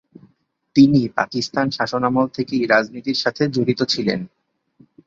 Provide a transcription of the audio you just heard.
তিনি পাকিস্তান শাসনামল থেকেই রাজনীতির সাথে জড়িত ছিলেন।